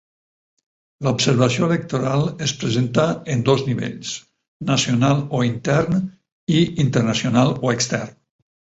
L'observació electoral es presenta en dos nivells: nacional o intern i internacional o extern.